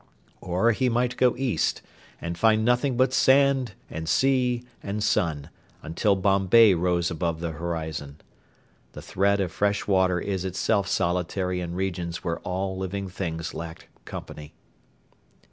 Or he might go east and find nothing but sand and sea and sun until Bombay rose above the horizon. The thread of fresh water is itself solitary in regions where all living things lack company.